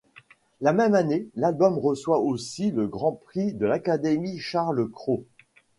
La même année, l'album reçoit aussi le grand prix de l'Académie Charles-Cros.